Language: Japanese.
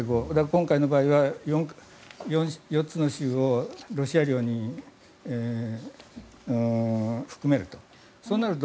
今回の場合は４つの州をロシア領に含めると。